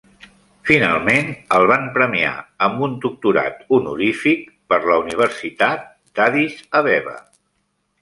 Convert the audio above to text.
Finalment, el van premiar amb un doctorat honorífic per la Universitat d'Addis Abeba.